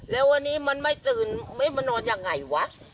แล้ววันนี้มันไม่ตื่นไม่มานอนยังไงวะ